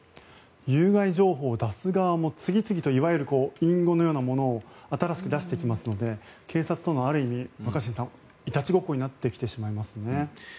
有害情報を出す側も次々と隠語のようなものを新しく出してきますので警察とのある意味、若新さんいたちごっこになってきてしまいますね。